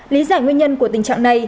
lý giải nguyên nhân của tình trạng này